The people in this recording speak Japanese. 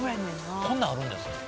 こんなんあるんですね